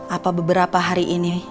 apa beberapa hari ini